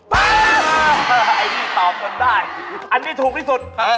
ไปแล้วไอ้นี่ตอบกันได้อันนี้ถูกที่สุด